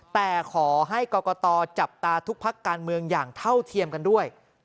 แต่ขอให้กรกตจับตาทุกพักการเมืองอย่างเท่าเทียมกันด้วย